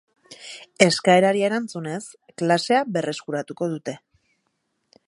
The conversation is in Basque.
Eskaerari erantzunez, klasea berreskuratuko dute.